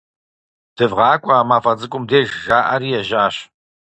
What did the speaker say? ДывгъакӀуэ, а мафӀэ цӀум деж, - жаӀэри ежьащ.